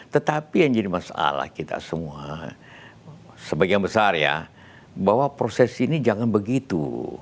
tetapi yang jadi masalah kita semua sebagian besar ya bahwa proses ini jangan begitu